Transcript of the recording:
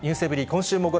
今週もご